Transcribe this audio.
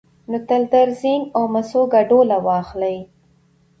نو تل د زېنک او مسو ګډوله واخلئ،